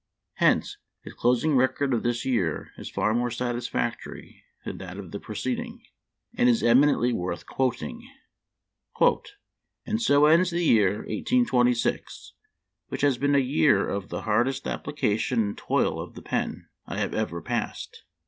Hence his closing record of this year is far more satisfactory than that of the preceding, and is eminently worth quoting. " And so ends the year 1826, which has been a year of the hardest application and toil of the pen I have ever passed.